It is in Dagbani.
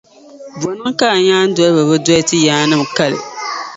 Bɔ niŋ ka a nyaandoliba bi doli ti yaannim’ kali?